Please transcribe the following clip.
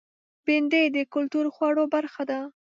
بېنډۍ د کلتور خوړو برخه ده